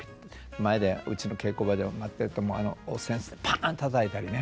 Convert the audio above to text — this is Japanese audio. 前でうちの稽古場で舞ってるとお扇子でパンッとたたいたりね。